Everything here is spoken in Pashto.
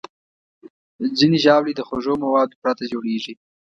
ځینې ژاولې د خوږو موادو پرته جوړېږي.